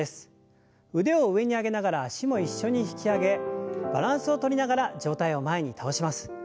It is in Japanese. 腕を上に上げながら脚も一緒に引き上げバランスをとりながら上体を前に倒します。